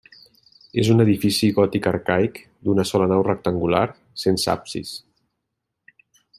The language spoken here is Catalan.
És un edifici gòtic arcaic d'una sola nau rectangular, sense absis.